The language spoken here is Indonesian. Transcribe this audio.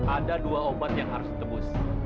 ada dua obat yang harus ditebus